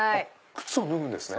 靴脱ぐんですね。